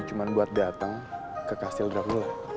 cuma buat dateng ke kastil dracula